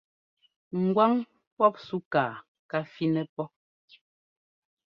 Ŋgwáŋ pɔp súkaa ká fínɛ́ pɔ́.